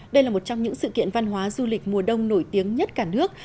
đây là một trong những sự kiện văn hóa du lịch mùa đông nổi tiếng nhất cả nước